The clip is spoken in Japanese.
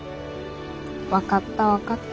分かった分かった。